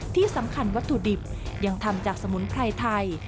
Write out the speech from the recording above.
ที่สำคัญวัตถุดิบยังทำจากสมุนไพรไทย